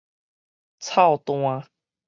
臭憚